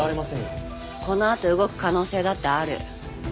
このあと動く可能性だってある。